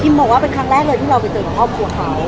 บอกว่าเป็นครั้งแรกเลยที่เราไปเจอกับครอบครัวเขา